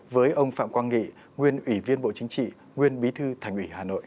với ông phạm quang nghị nguyên ủy viên bộ chính trị nguyên bí thư thành ủy hà nội